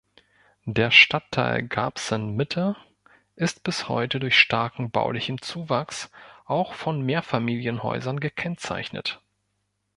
Der Stadtteil Garbsen-Mitte ist bis heute durch starken baulichen Zuwachs, auch von Mehrfamilienhäusern, gekennzeichnet.